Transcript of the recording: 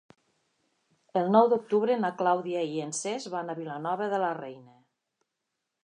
El nou d'octubre na Clàudia i en Cesc van a Vilanova de la Reina.